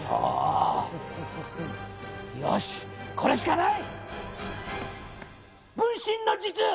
よしこれしかない！